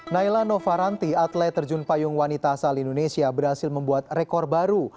naila novaranti atlet terjun payung wanita asal indonesia berhasil membuat rekor baru